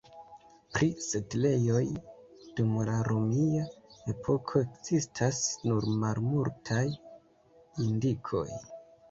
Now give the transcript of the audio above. Pri setlejoj dum la romia epoko ekzistas nur malmultaj indikoj.